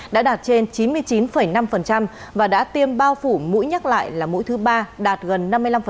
đã đạt trên chín mươi chín năm và đã tiêm bao phủ mũi nhắc lại là mũi thứ ba đạt gần năm mươi năm